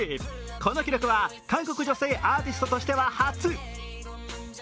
この記録は韓国女性アーティストとしては初。